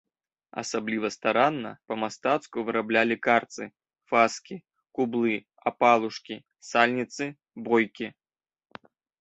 Асабліва старанна, па-мастацку выраблялі карцы, фаскі, кублы, апалушкі, сальніцы, бойкі.